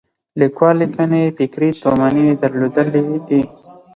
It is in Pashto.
لیکوال لیکنې یې فکري تومنې درلودلې دي.